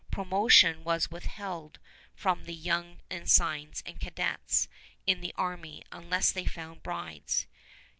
Promotion was withheld from the young ensigns and cadets in the army unless they found brides.